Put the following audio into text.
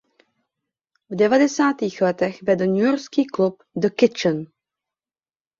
V devadesátých letech vedl newyorský klub The Kitchen.